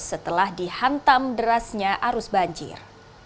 setelah dihantam derasnya arus banjir